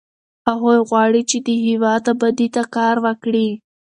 هغوی غواړي چې د هېواد ابادۍ ته کار وکړي.